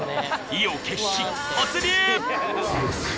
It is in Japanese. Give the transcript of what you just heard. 意を決し突入！